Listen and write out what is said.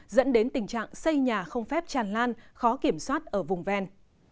dẫn đến tình trạng xây nhà không phép tràn lan khó kiểm soát ở vùng ven